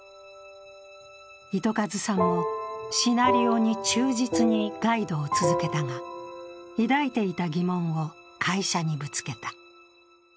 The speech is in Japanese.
糸数さんもシナリオに忠実にガイドを続けたが、抱いていた疑問を会社にぶつけた。